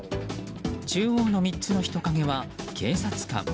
中央の３つの人影は警察官。